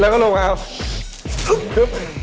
แล้วก็ลงมาครับ